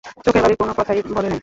চোখের বালি কোনো কথাই বলে নাই।